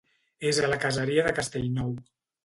És a la caseria de Castellnou.